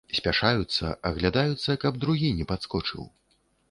Спяшаюцца, аглядаюцца, каб другі не падскочыў.